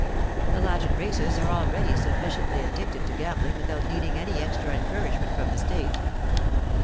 The Latin races are already sufficiently addicted to gambling without needing any extra encouragement from the state.